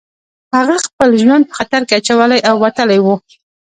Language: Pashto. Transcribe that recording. هغه خپل ژوند په خطر کې اچولی او وتلی و